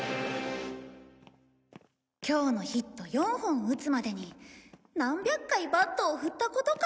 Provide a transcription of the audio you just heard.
今日のヒット４本を打つまでに何百回バットを振ったことか